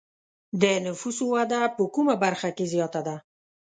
د نفوسو وده په کومه برخه کې زیاته ده؟